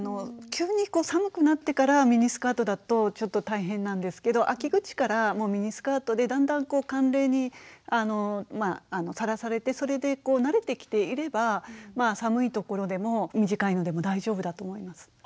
急に寒くなってからミニスカートだとちょっと大変なんですけど秋口からもうミニスカートでだんだん寒冷にさらされてそれで慣れてきていれば寒い所でも短いのでも大丈夫だと思います。